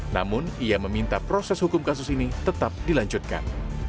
namun ia meminta proses hukum kasus ini tetap dilanjutkan